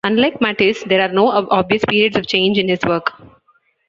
Unlike Matisse, there are no obvious periods of change in his work.